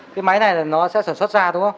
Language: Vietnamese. cái máy này là nó sẽ sản xuất ra đúng không